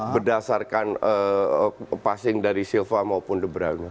berdasarkan passing dari silva maupun de bruyne